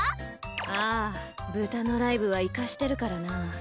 ああ豚のライブはイカしてるからな。